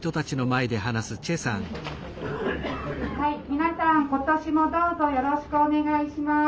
皆さん今年もどうぞよろしくお願いします。